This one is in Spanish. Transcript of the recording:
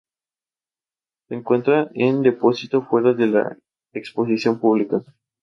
Se encuentra en depósito, fuera de la exposición pública.